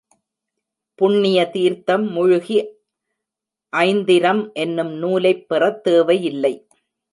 புண்ணிய தீர்த்தம் முழுகி ஐந்திரம் என்னும் நூலைப் பெறத் தேவை இல்லை.